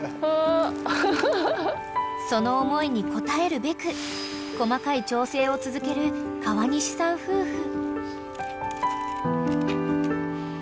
［その思いに応えるべく細かい調整を続ける川西さん夫婦］